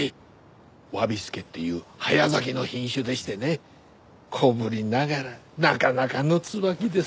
侘助っていう早咲きの品種でしてね小ぶりながらなかなかの椿です。